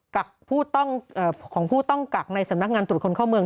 กักผู้ต้องของผู้ต้องกักในสำนักงานตรวจคนเข้าเมือง